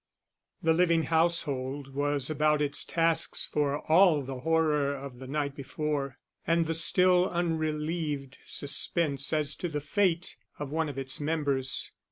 The living household was about its tasks for all the horror of the night before, and the still unrelieved suspense as to the fate of one of its members.